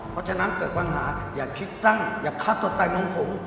เพราะฉะนั้นเกิดปัญหาอย่าคิดสั้นอย่าฆ่าตัวตายน้องผม